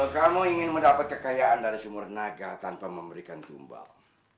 kamu ingin mendapat kekayaan dari sumur naga tanpa memberikan tumbang